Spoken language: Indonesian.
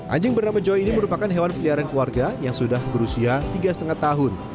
anjing bernama joy ini merupakan hewan peliharaan keluarga yang sudah berusia tiga lima tahun